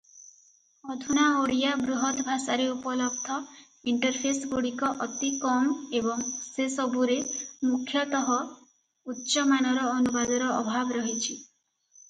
ଅଧୁନା ଓଡ଼ିଆ ବୃହତଭାଷାରେ ଉପଲବ୍ଧ ଇଣ୍ଟରଫେସଗୁଡ଼ିକ ଅତି କମ ଏବଂ ସେସବୁରେ ମୁଖ୍ୟତଃ ଉଚ୍ଚ ମାନର ଅନୁବାଦର ଅଭାବ ରହିଛି ।